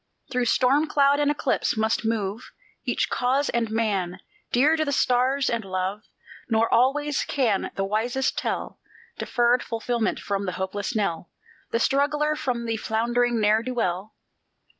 Through storm cloud and eclipse must move Each cause and man, dear to the stars and Jove; Nor always can the wisest tell Deferred fulfilment from the hopeless knell The struggler from the floundering ne'er do well.